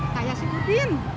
kayak si udin